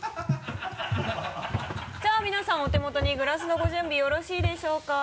じゃあ皆さんお手元にグラスのご準備よろしいでしょうか？